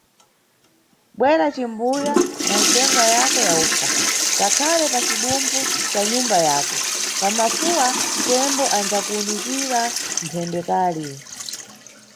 Bwera, cimbuya na nsengwa yavko ya ufa, zakhale pa cibumphu ca nyumba yako; pa mafuwa, Tembo anʼdzakuunikira mphendekali.